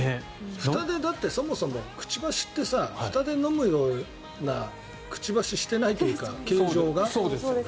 だってそもそもくちばしってふたで飲むようなくちばししていないというか、形状が。